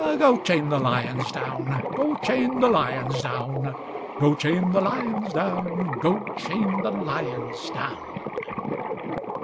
"Go chain the lions down, Go chain the lions down. Go chain the lions down. Go chain the lions down."